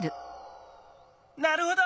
なるほど！